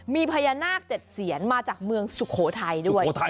มีพญานาค๗เสียนมาจากเมืองสุโขทัยด้วย